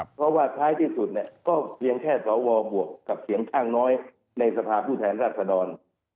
เพราะว่าท้ายที่สุดเนี่ยก็เพียงแค่สวบวกกับเสียงข้างน้อยในสภาพผู้แทนราชดร